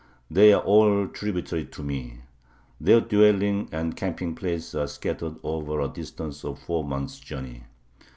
They are all tributary to me. Their dwellings and camping places are scattered over a distance of a four months' journey.